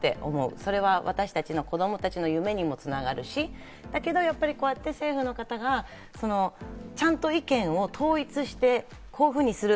それは私たちの子供たちの夢にもつながるし、だけど、こうやって政府の方がちゃんと意見を統一してこういうふうにする。